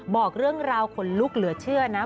บอกเรื่องราวขนลุกเหลือเชื่อนะ